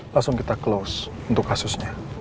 langsung kita close untuk kasusnya